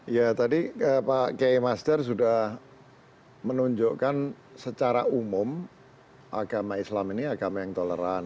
ya tadi pak kiai master sudah menunjukkan secara umum agama islam ini agama yang toleran